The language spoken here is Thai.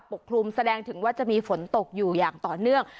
กลุ่มแสดงถึงว่าจะมีฝนตกอยู่อย่างต่อเนื่อง